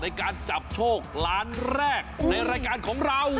ในการจับโชคล้านแรกในรายการของเรา